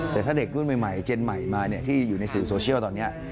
แต่ถ้าเด็กรุ่นใหม่เจนใหม่มาที่อยู่ในสื่อโซเชียลตอนนี้